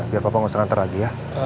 biar pak tidak mengantar lagi